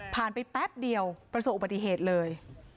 ผ่านไปแป๊บเดียวประสบปฏิเหตุเลย